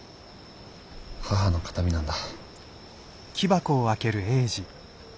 母の形見なんだ。